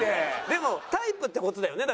でもタイプって事だよね？